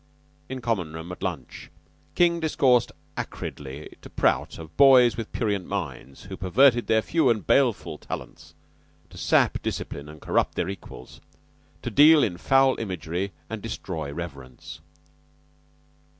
In Common room at lunch King discoursed acridly to Prout of boys with prurient minds, who perverted their few and baleful talents to sap discipline and corrupt their equals, to deal in foul imagery and destroy reverence.